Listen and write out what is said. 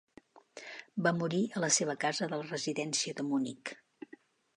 Va morir a la seva casa de la Residència de Munic.